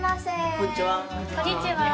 こんにちは。